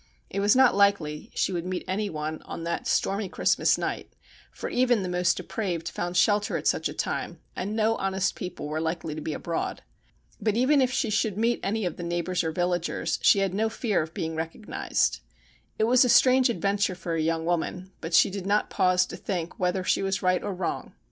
It was not likely she would meet anyone on that 1 ii4 STORIES WEIRD AND WONDERFUL stormy Christmas night, for even the most depraved found shelter at such a time, and no honest people were likely to be abroad. But even if she should meet any of the neighbours or villagers, she had no fear of being recognised. It was a strange adventure for a young woman, but she did not pause to think whether she was right or wrong.